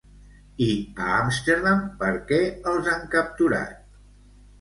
I a Amsterdam perquè els han capturat?